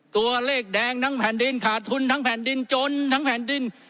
ตัวเลขแดงทั้งแผ่นดินขาดทุนทั้งแผ่นดินจนทั้งแผ่นดิน